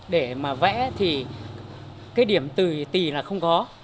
để mà vẽ thì cái điểm từ tì là không có